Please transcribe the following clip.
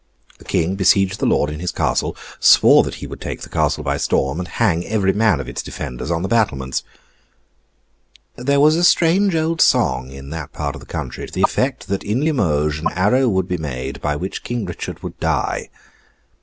The King besieged the lord in his castle, swore that he would take the castle by storm, and hang every man of its defenders on the battlements. There was a strange old song in that part of the country, to the effect that in Limoges an arrow would be made by which King Richard would die.